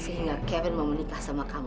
sehingga kevin mau menikah sama mas kevin